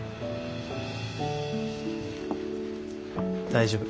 大丈夫。